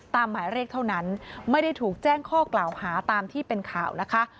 หมายเรียกเท่านั้นไม่ได้ถูกแจ้งข้อกล่าวหาตามที่เป็นข่าวนะคะ